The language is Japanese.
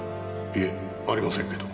いえありませんけど。